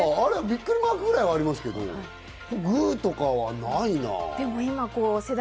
ビックリマークぐらいはあるけどグとかはないな。